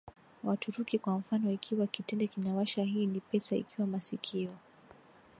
Waturuki Kwa mfano ikiwa kitende kinawasha hii ni pesa ikiwa masikio